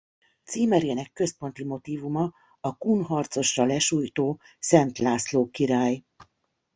Címerének központi motívuma a kun harcosra lesújtó Szent László király.